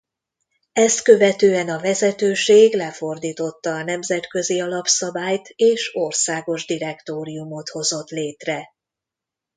Ezt követően a vezetőség lefordította a nemzetközi alapszabályt és országos direktóriumot hozott létre.